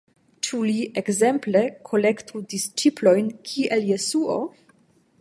Ĉu li, ekzemple, kolektu disĉiplojn kiel Jesuo?